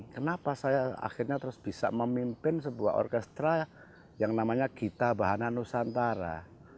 kenapa saya akhirnya terus bisa memimpin sebuah orkestra yang namanya gita bahana nusantara